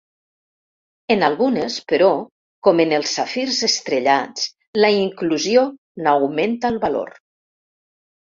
En algunes, però, com en els safirs estrellats, la inclusió n'augmenta el valor.